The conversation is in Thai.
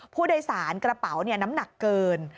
ผู้โดยสารกระเป๋าน้ำหนักเกิน